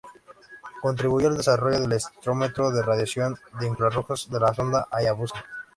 Contribuyó al desarrollo del espectrómetro de radiación de infrarrojos de la sonda Hayabusa.